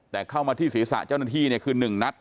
แต่เข้ามาที่ศีรษะเจ้าหน้าที่เนี่ยคือ๑นัด